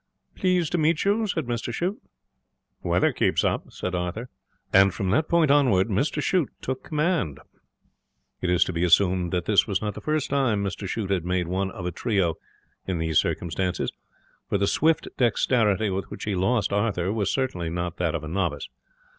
'Pleased to meet you,' said Mr Shute. 'Weather keeps up,' said Arthur. And from that point onward Mr Shute took command. It is to be assumed that this was not the first time that Mr Shute had made one of a trio in these circumstances, for the swift dexterity with which he lost Arthur was certainly not that of a novice.